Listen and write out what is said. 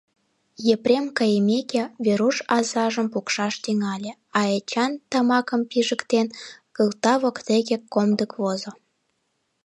Епрем кайымеке, Веруш азажым пукшаш тӱҥале; а Эчан, тамакым пижыктен, кылта воктеке комдык возо.